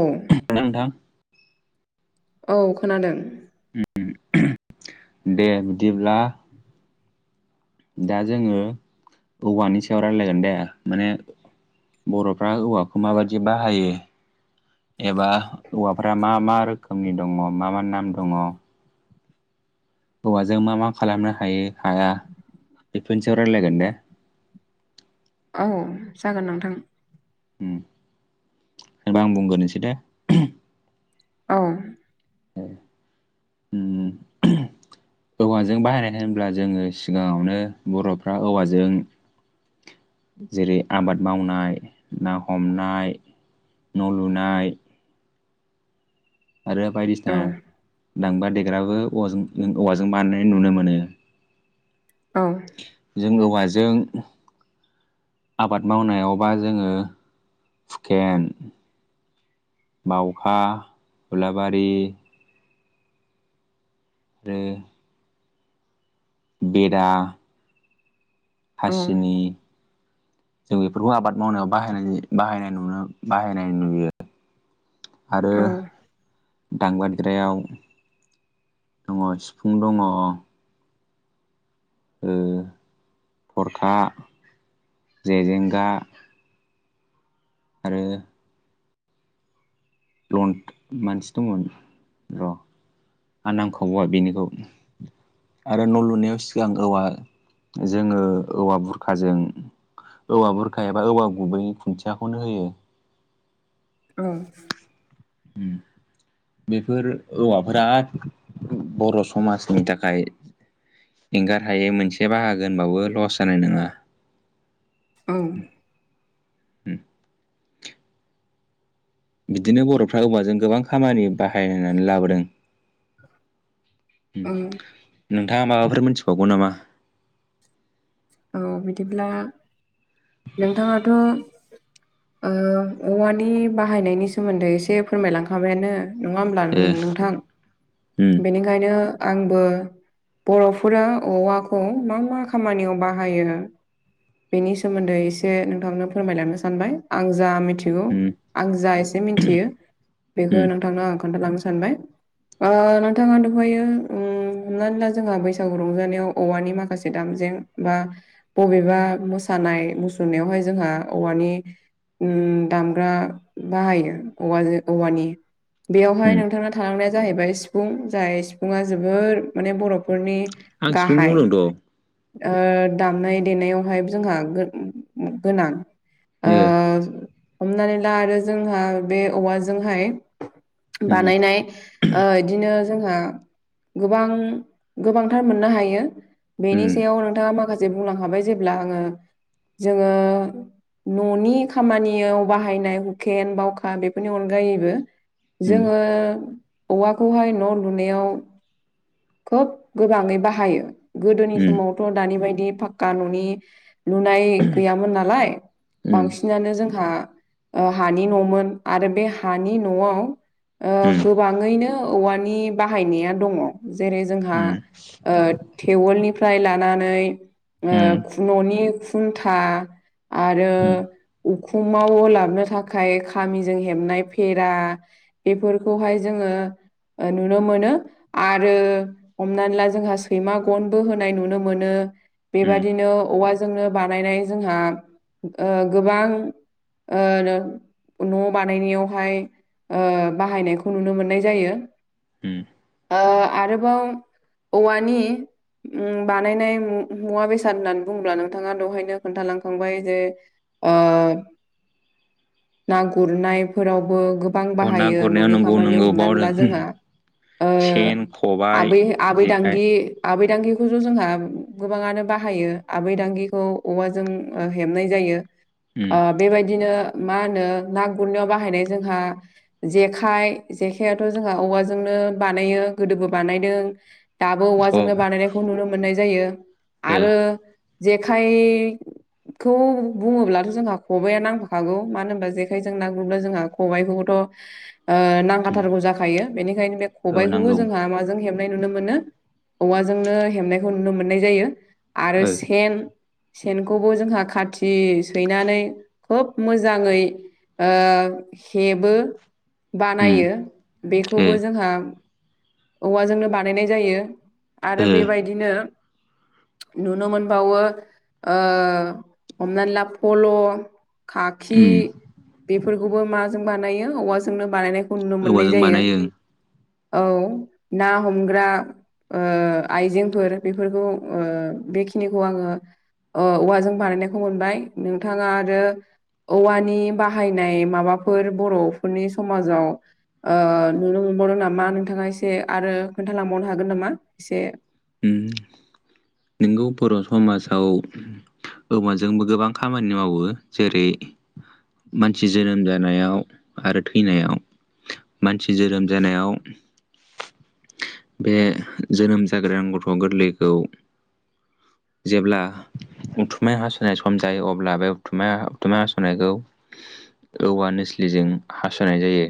उम हेल' नोंथां औ खोनादों उम दे बिदिब्ला [inaudible] दा जोङो औवानि सायाव रायलायगोन दे माने बर'फ्रा औवाखौ माबायदि बाहायो एबा औवाफ्रा मा मा रोखोमनि दङ? मा मा नाम दङ? हौवाजों मा मा खालामनो हायो हाया बेफोरनि सायाव रायलायगोन दे। औ जागोन नोंथां। उम होमबा आं बुंगोरनोसै दे। औ। [inaudible] [unintelligible] औवाजों बाहायनाय होनब्ला जोङो सिगाङावनो बर'फ्रा औवाजों जेरै आबाद मावनाय, ना हमनाय न' लुनाय, आरो बायदिसिना औ दांबा देग्राबो औवाजों-औवाजों बानायनाय नुनो मोनो। औ जों औवाजों आबाद मावनायावबा जोङो, फुकेन बावखा, उलाबारि, [unintelligible] बेरा औ हासिनि जों बेफोरखौ आबाद मावनायाव बाहायनाय जायो बाहायनाय नुनो बाहायनाय नुयो। आरो औ दामग्रा देग्रायाव दङ सिफुं दङ ओ थरखा, जेजेंगा, आरो लन मानसि दंमोन, र' आं नां खावआ बेनिखौ। आरो न' लुनायाव सिगां औवा, जोङो औवा बुरखाजों औवा बुरखा एबा औवा गुबैनि खुन्थियाखौनो होयो। औ। उम। बेफोर औवाफोरा बर' समाजनि थाखाय एंगार हायै मोनसे बाहागोन होनबावो। लस जानाय नङा। औ। बिदिनो बर'फ्रा औवाजों गोबां खामानि बाहायनानै लाबोदों। ओ। नोंथाङा माबाफोर मोनथिबावगौ नामा? औ बिदिब्ला नोंथाङाथ' ओ औवानि बाहायनायनि सोमोन्दै एसे फोरमायलांखाबायानो। नङा होमब्ला? ए नों-नोंथां उम बेनिखाय ओंखायनो आंबो बर'फोरा औवाखौ मा मा खामानियाव बाहाय बेनि सोमोन्दै एसे नोंथांनो फोरमायलांनो सानबाय। आं जा मिथिगौ, उम आं जा एसे मिथियो बेखौ उम नोंथांनो आं खोन्थालांनो सानबाय। ओ नोंथाङा दहायो उम हमनानै ला जोंहा बैसागु रंजानायाव औवानि माखासे दामजें बा बबेबा मोसानाय मुसुरनायावहाय जोंहा औवानि उम दामग्रा बाहायो औवाजों-औवानि। बेयावहाय उम नोंथांना थालांनाया जाहैबाय सिफुं, जाय सिफुंआ जोबोर माने बर'फोरनि आं सिफुं गाहाय बुंदोंथ'। ओ दामनाय देनायावहाय जोंहा गोनां। ओ ए। हमनानै ला आरो जोंहा बे औवाजोंहाय उम बानायनाय ओ इदिनो जोंहा गोबां-गोबांथार मोननो हायो बेनि उम सायाव नोंथां आं माखासे बुंलां हाबाय जेब्ला आङो जोङो न'नि खामानियाव बाहायनाय हुकेन बावखा बेफोरनि अनगायैबो उम जोङो औवाखौहाय न' लुनायाव खोब गोबाङै बाहायो गोदोनि उम समावथ' दानि बायदि गा न'नि लुनाय गैयामोन नालाय उम बांसिनानो जोंहा ओ हानि न'मोन आरो बे हानि न'आव ओ उम गोबाङैनो औवानि बाहायनाया दङ जेरै जोंहा ओ तेबोलनिफ्राय लानानै ओ उम न'नि खुन्था आरो उम उखुमाव लाबनो थाखाय खामिजों हेबनाय फेरा बेफोरखौहाय जोङो नुनो मोनो आरो हमनानै ला जोंहा सैमा गन बो होनाय नुनो मोनो उम बेबादिनो औवाजोंनो बानायनाय जोंहा ओ गोबां ओ न' बानायनायावहाय ओ बाहायनायखौ नुनो मोननाय जायो। उम ओ आरोबाव औवानि उ बानायनाय मुवा बेसाद होननानै बुङोब्ला नोंथाङा दहायनो खोन्थालांखांबाय जे ओ ना गुरनायफोरावबो गो बां अ ना बाहायो गुरनायाव न'नि नंगौ खामानियाव नंगौ हमनानै बावदों ला जोंहा ओ सेन खबाइ आबै जेखाइ आबैदांगि आबैदांगि बेखौ ज' जोंहा गोबाङानो बाहायो आबै दांगिखौ औवाजों हेबनाय जायो। ओम ओ बेबायदिनो मा होनो ना गुरनायाव बाहायनाय जोंहा जेखाइ जेखायाथ' जोंहा औवाजोंनो बानायो गोदोबो बानायदों। दाबो थ' ओ औवाजोंनो बानायनायखौ नुनो मोननाय जायो आरो जेखाय खौ बुङोब्लाथ' जोंहा खबाइआ नांफाखागौ मानो होनबा जेखायजों ना गुरब्ला जोंहा खबाइखौथ' ओ ना उम नांथारगौ जाखायो बेनिखायनो बे औ खबायखौबो नांगौ जोंहा माजों हेबनाय नुनो मोनो औवाजोंनो हेबनायखौ नुनो मोननाय जायो आरो ओ सेन सेनखौबो जोंहा खाथि सैनानै खोब मोजाङै ओ हेबो उम बानायो ओ बेखौबो जोंहा औवाजोंनो बानायनाय जायो आरो ओ बेबायदिनो नुनो मोनबावो ओ हमनानै ला फल' खाखि उम बेफोरखौबो माजों बानायो औवाजोंनो बानायनाय खौनुनो मोननाय औवाजों जायो बानायो औ ना हमग्रा ओ आइजेंफोर बेफोरखौ ओ बेखिनिखौ आङो औवाजों बानायनायखौ मोनबाय नोंथाङा आरो औवानि बाहायनाय माबाफोर बर'फोरनि समाजाव ओ नुनो मोनबावदों नामा नोंथाङा एसे आरो खोन्थालांबावनो हागोन नामा एसे नंगौ बर' समाजाव औवाजोंबो गोबां खामानि मावो जेरै मानसि जोनोम जानायाव आरो थैनायाव मानसि जोनोम जानायाव बे जोनोम जागोदान गथ' गोरलैखौ जेब्ला उथुमाय हास'नाय सम जायो अब्ला बे उथुमाय उथुमाय हास'नायखौ औवा निस्लिजों हास'नाय जायो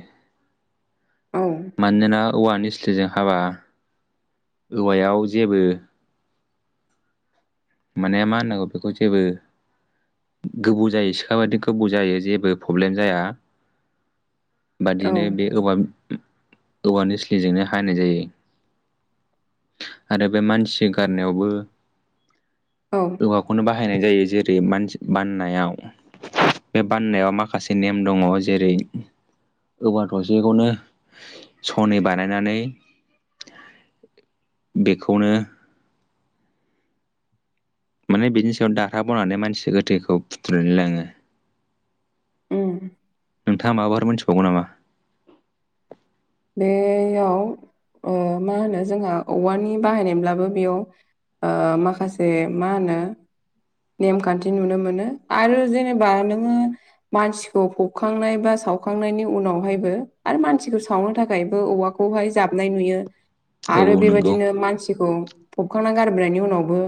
औ मानोना औवानि निस्लिजों हाबा औवायाव जेबो माने मा होननांगौ बेखौ जेबो गोबौ जायो सिखा बादि गोबौ जायो जेबो प्रब्लेम जाया औ बादिनो बे औवा औवा निस्लिजोंनो हानाय जायो आरो बे मानसि गारनायावबो औ औवाखौनो बाहायनाय जायो जेरै मानसि बाननायाव बे बान्नायाव माखासे नेम दङ जेरै औवा थसेखौनो सनै बानायनानै बेखौनो माने बिनि सायाव दाह्रा बनानै मानसि गोथैखौ फुथुनो लोङो उम नोंथाङा माबाफोर मोनथिबावगौ नामा बेयाव ओ मा होनो जोंहा औवानि बाहायनायब्लाबो बेयाव माखासे मा होनो नेमखान्थि नुनो मोनो आरो जेनेबा नोङो मानसिखौ फबखांनाय बा सावखांनायनि उनावहायबो आरो मानसिखौ सावनो थाखायबो औवाखौहाय जाबनाय नुयो औ आरो औ नंगौ बेबायदिनो मानसिखौ फबखांना गारबोनायनि उनावबो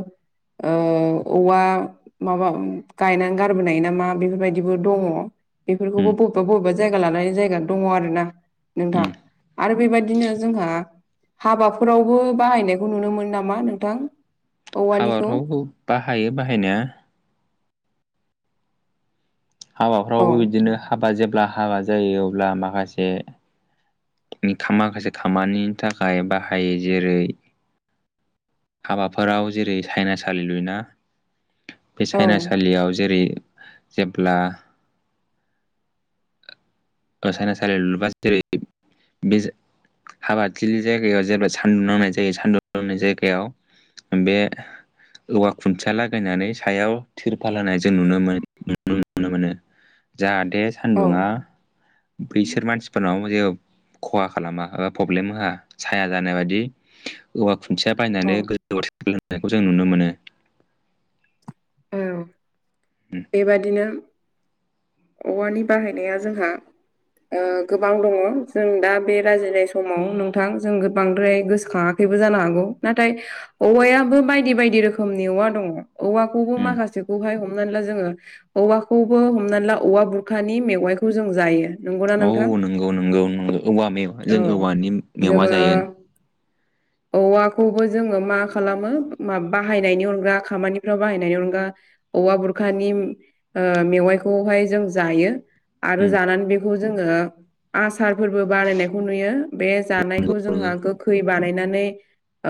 ओ औवा माबा गायनानै गारबोनाय नामा बेफोरबायदिबो दङ उम बेफोरखौबो बबेबा बबेबा जायगा लानानै जायगा दङ आरोना नोंथां उम आरो बेबायदिनो जोंहा हाबाफोरावबो बाहायनायखौ नुनो मोन नामा नोंथां औवानिखौ हाबाफ्राव बाहायो बाहायनाया औ हाबाफ्रावबो बिदिनो हाबा जेब्ला हाबा जायो अब्ला माखासे माखासे खामानिनि थाखाय बाहायो जेरै हाबाफोराव जेरै सायनासालि लुयोना बे औ सायनासालियाव जेरै जेब्ला सायनासालि लुबा जेरै बे हाबादथिलि जायगायाव जेब्ला सान्दुं नांनाय जायो सान्दुं दनाय जायगायाव बे औवा खुन्थिया लागायनानै सायाव थिरफाल होनाय जों नुनो मोन नु नुनो मोनो जाहाथे औ सान्दुङा बैसोर मानसिफोरनाव जेबो खहा खालामा एा प्रब्लेम होआ साया जानाय बायदि औवा खुन्थिया औ बायनानै गोजौआ थेबखोना दोननायखौ जों नुनो मोनो। औ बेबादिनो औवानि बाहायनाया जोंहा ओ गोबां दङ जों दा बे रायिनाय समाव नोंथां जों गो बांद्राय गोसोखाङा बेबो जानो हागौ नाथाय औवायाबो बायदि बायदि रोखोमनि औवा दङ। औवाखौबो माखासेखौहाय हमनानै ला जोङो औवाखौबो हमनानै ला औवा बुरखानि मेवाइखौ जों जायो। नंगौना औ नोंथां नंगौ नंगौ नगौ औवा जों औ औवानि मेवा जायो जोङो औवाखौबो जोङो मा खालामो बाहायनायनि अनगा खामानिफ्राव बाहायनायनि अनगा औवा बुरखानि मेवाइखौहाय जों जायो आरो जानानै बेखौ जोङो आसारफोरबो बारायनायखौ नुयो बे जानायखौ नंगौ नंगौ जोंहा गोखै बानायनानै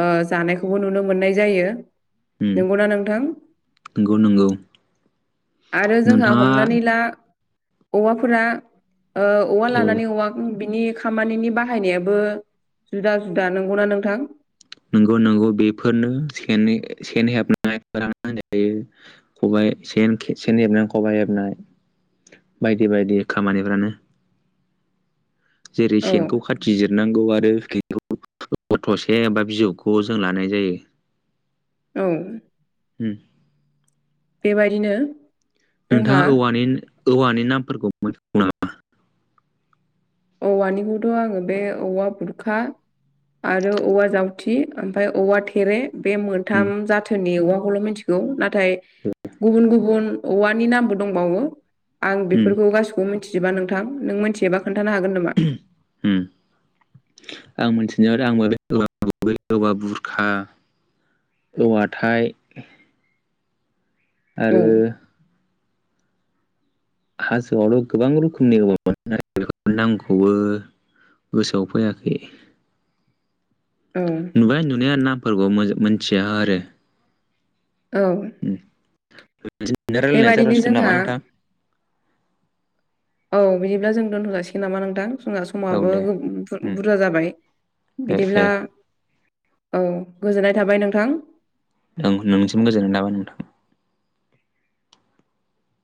ओ जानायखौबो नुनो मोननाय जायो। नंगौना नोंथां नंगौ नंगौ आरो जोंहा नोंथाङा हमनानै ला औवाफोरा ओ औवा ओ लानानै औवा बिनि खामानिनि बाहायनायाबो जुदा जुदा नंगौना नोंथां? नोंगौ नंगौ बेफोरनो सेन सेन हेबनानै होन जायो। खबाइ सेन सेन हेबनानै खबाइ हेबनाय बायदि बायदि खामानिफ्रानो जेरै औ सेनखौ खा टि जिरनांगौ आरो [unintelligible] थसे बा बिजौखौ जों लानाय जायो। औ। उम। बेबायदिनो जोंहा नोंथाङा औवानि औवानि नामफोरखौ मोनथिगौ नामा? औवानिखौथ' आङो बे औवा बुरखा आरो औवा जावथि ओमफ्राय औवा थेरे बे मोन उम थाम जाथोननि औवाखौल' मिथिगौ नाथाय गुबुन गुबुन औवानि नामबो दंबावो आं उम बेफोरखौ गासिखौबो मिथिजोबा नोंथां नों मिथियोबा खोन थानो हागोन नामा? [unintelligible] आं मिथिनायावथ आंबो औवा गुबै औवा बुरखा। औवा थाय। औ आरो हाजोआवथ' गोबां रोखोमनि मोनो नागिरो [inaudible] नामखौबो गोसोआव फैयाब। ओं। नुबाय नुनाया नामफोरखौ मोनथिया आरो। औ। उम [unintelligible] दा रायलायनाया बेबादिनो जाथसिगोन जोंहा नामा नोंथां। औ बिदिब्ला जों दोनथ जासिगोन नामा नोंथां। जोंना औ समाबो दे बुर उम बुरजा जाबाय ए ए बिदिब्ला औ गोजोननाय थाबाय नोंथां। नों नोंनिसिम गोजोननाय थाबाय नोंथां।